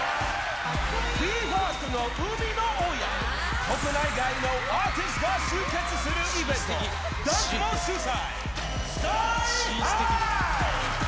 ＢＥ：ＦＩＲＳＴの生みの親、国内外のアーティストが集結するイベント、ＤＵＮＫも主催。